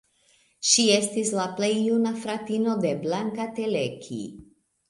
Ŝi estis la pli juna fratino de Blanka Teleki.